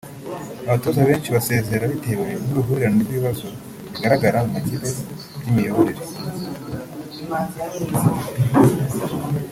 Abatoza benshi basezera bitewe n’uruhurirane rw’ibibazo bigaragara mu makipe by’imiyoborere